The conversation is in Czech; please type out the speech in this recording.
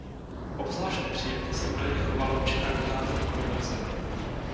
Obzvlášť nepříjemně se údajně choval vůči kandidátům konverze.